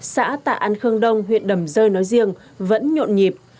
xã tạ an khương đông huyện đầm rơi nói riêng vẫn nhộn nhịp